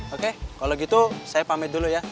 oke kalau gitu saya pamit dulu ya